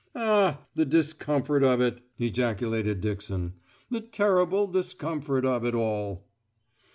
"Ah! the discomfort of it!" ejaculated Dixon. "The terrible discomfort of it all!"